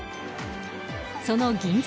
その銀座